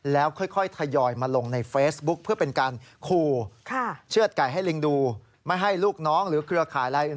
แล้วค่อยทยอยมาลงในเฟซบุ๊ค